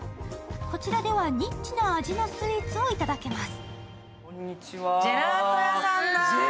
こちらではニッチな味のスイーツをいただきます。